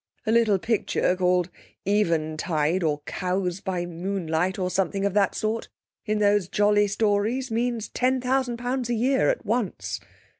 A little picture called 'Eventide' or 'Cows by Moonlight', or something of that sort, in those jolly stories means ten thousand pounds a year at once.